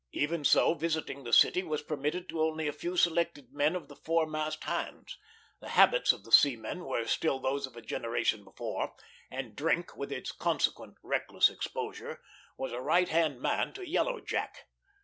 Even so, visiting the city was permitted to only a few selected men of the foremast hands. The habits of the seamen were still those of a generation before, and drink, with its consequent reckless exposure, was a right hand man to Yellow Jack.